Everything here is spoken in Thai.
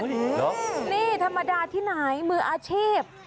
นี่ธรรมดาที่ไหนมืออาชีพ